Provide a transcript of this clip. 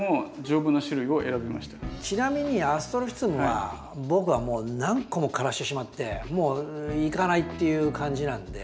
ちなみにアストロフィツムは僕はもう何個も枯らしてしまってもういかないっていう感じなんで。